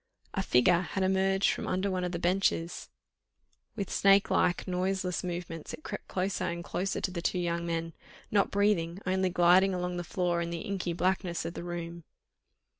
A figure had emerged from under one of the benches; with snake like, noiseless movements it crept closer and closer to the two young men, not breathing, only gliding along the floor, in the inky blackness of the room.